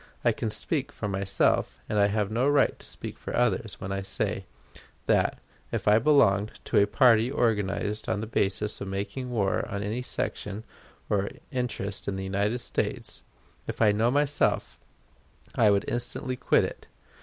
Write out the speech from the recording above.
I can speak for myself and I have no right to speak for others when I say, that, if I belonged to a party organized on the basis of making war on any section or interest in the United States, if I know myself, I would instantly quit it.